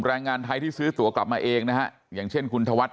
แรงงานไทยที่ซื้อตัวกลับมาเองนะฮะอย่างเช่นคุณธวัฒ